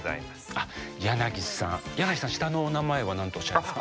あっヤナギさんヤナギさん下のお名前は何ておっしゃいますか？